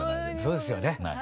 そうですよね。